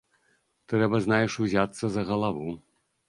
Трэба, знаеш, узяцца за галаву!